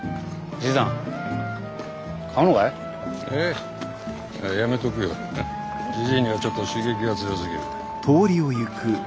じじいにはちょっと刺激が強すぎる。